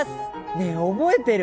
ねえ覚えてる？